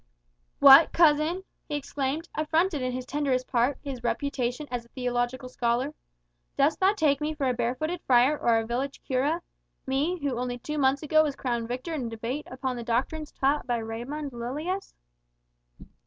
"What, cousin!" he exclaimed, affronted in his tenderest part, his reputation as a theological scholar. "Dost thou take me for a barefooted friar or a village cura? Me, who only two months ago was crowned victor in a debate upon the doctrines taught by Raymondus Lullius!"